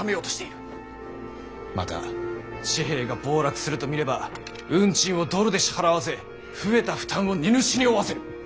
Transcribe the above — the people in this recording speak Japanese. また紙幣が暴落すると見れば運賃をドルで支払わせ増えた負担を荷主に負わせる。